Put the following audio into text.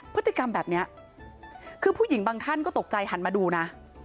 พฤติกรรมแบบนี้คือผู้หญิงบางท่านก็ตกใจหันมาดูนะ